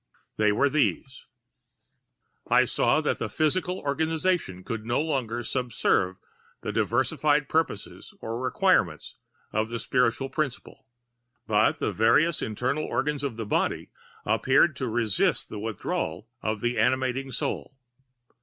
They were these: I saw that the physical organization could no longer subserve the diversified purposes or requirements of the spiritual principle. But the various internal organs of the body appeared to resist the withdrawal of the animating soul.